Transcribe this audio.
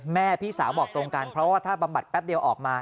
พี่สาวบอกตรงกันเพราะว่าถ้าบำบัดแป๊บเดียวออกมา